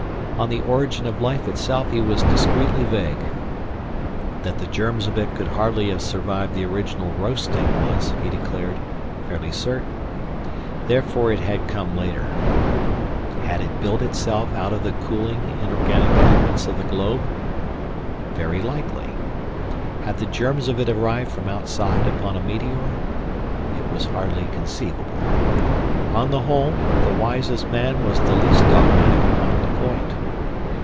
On the origin of life itself he was discreetly vague. That the germs of it could hardly have survived the original roasting was, he declared, fairly certain. Therefore it had come later. Had it built itself out of the cooling, inorganic elements of the globe? Very likely. Had the germs of it arrived from outside upon a meteor? It was hardly conceivable. On the whole, the wisest man was the least dogmatic upon the point.